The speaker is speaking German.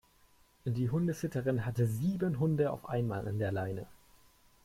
Die Hundesitterin hatte sieben Hunde auf einmal an der Leine.